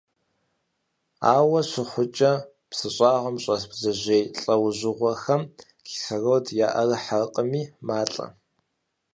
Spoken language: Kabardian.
Ауэ щыхъукӀэ, псы щӀагъым щӀэс бдзэжьей лӀэужьыгъуэхэм кислород яӀэрыхьэркъыми, малӀэ.